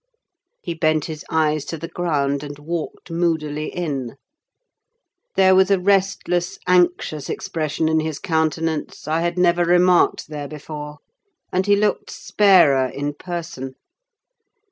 He bent his eyes to the ground, and walked moodily in. There was a restless, anxious expression in his countenance, I had never remarked there before; and he looked sparer in person.